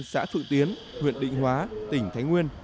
xã phự tiến huyện định hóa tỉnh thái nguyên